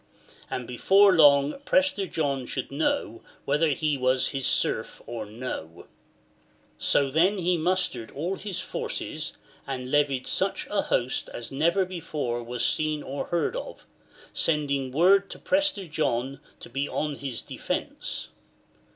And before long Prester John should know whether he were his serf or no !" So then he mustered all his forces, and levied such a host as never before was seen or heard of, sending word to Prester John to be on his defence.